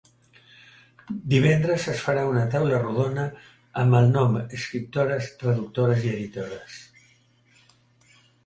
Divendres es farà una taula rodona amb el nom Escriptores, traductores i editores.